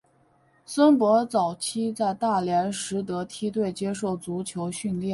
孙铂早期在大连实德梯队接受足球训练。